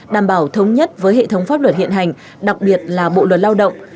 đảm bảo thống nhất với hệ thống pháp luật hiện hành đặc biệt là bộ luật lao động